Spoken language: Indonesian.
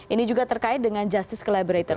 ini juga terkait dengan justice collaborator